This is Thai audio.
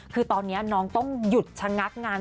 คือตอนนี้น้องต้องหยุดชะงักงาน